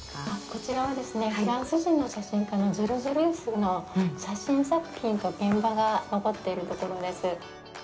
こちらは、フランス人の写真家のジョルジュ・ルースの写真作品と現場が残っているところです。